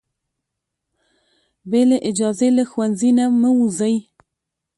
بې له اجازې له ښوونځي نه مه وځئ.